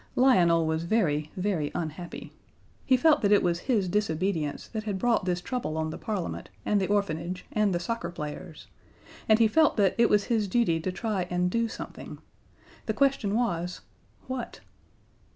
Lionel was very, very unhappy. He felt that it was his disobedience that had brought this trouble on the Parliament and the Orphanage and the Soccer Players, and he felt that it was his duty to try and do something. The question was, what?